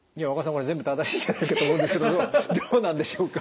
これ全部正しいんじゃないかと思うんですけどどうなんでしょうか？